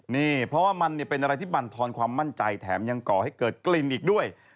นี่เพราะว่ามันเป็นอะไรที่บรรทอนความมั่นใจแถมยังก่อให้เกิดกลิ่นอีกด้วย